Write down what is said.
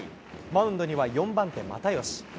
マウンドには４番手、又吉。